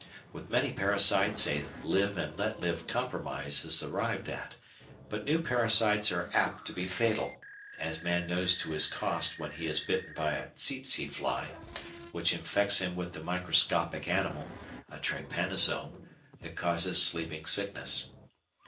With many parasites a "live and let live" compromise is arrived at, but new parasites are apt to be fatal, as man knows to his cost when he is bitten by a tse tse fly which infects him with the microscopic animal (a Trypanosome) that causes Sleeping Sickness.